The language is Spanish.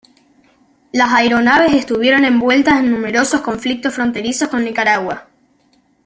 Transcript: Las aeronaves estuvieron envueltas en numerosos conflictos fronterizos con Nicaragua.